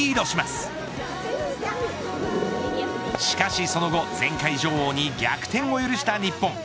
しかしその後前回女王に逆転を許した日本。